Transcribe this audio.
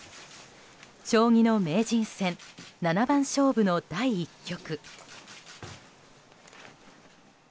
将棋の名人戦七番勝負の第１局。